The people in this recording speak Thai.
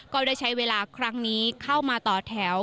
ก็ได้ใช้เวลาครั้งนี้เข้ามาต่อแถว